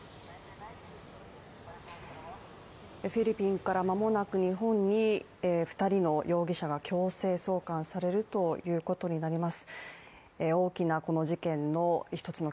フィリピンから間もなく日本に２人の容疑者が強制送還されることになります